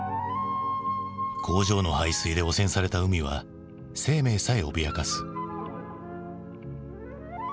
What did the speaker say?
工場の排水で汚染された海は生命さえ脅かす。